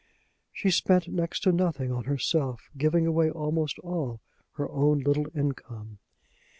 She spent next to nothing on herself, giving away almost all her own little income.